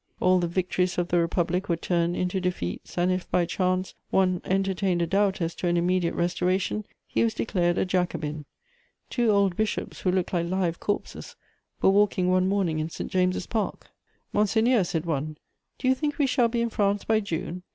All the victories of the Republic were turned into defeats, and, if by chance one entertained a doubt as to an immediate restoration, he was declared a Jacobin. Two old bishops, who looked like live corpses, were walking one morning in St James's Park: "Monseigneur," said one, "do you think we shall be in France by June?"